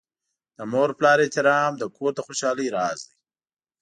د مور پلار احترام د کور د خوشحالۍ راز دی.